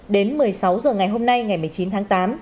đến một mươi sáu h ngày hôm nay ngày một mươi chín tháng tám